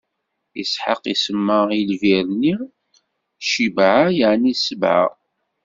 Isḥaq isemma i lbir-nni: Cibɛa, yeɛni Sebɛa.